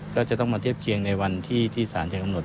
ก็จะต้องมาเทียบเคียงในวันที่สารจะกำหนด